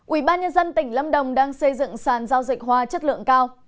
ủy ban nhân dân tỉnh lâm đồng đang xây dựng sàn giao dịch hoa chất lượng cao